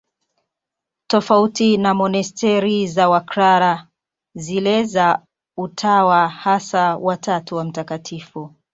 Tofauti na monasteri za Waklara, zile za Utawa Hasa wa Tatu wa Mt.